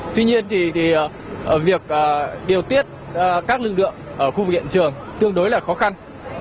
tuy nhiên thì việc điều tiết các lực lượng ở khu vực hiện trường tương đối là khó khăn